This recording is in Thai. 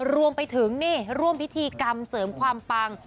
รวมไปถึงนี่ร่วมพิธีกรรมเสริมความปัง